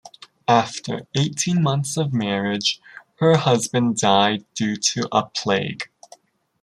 After eighteen months of marriage, her husband died due to a plague.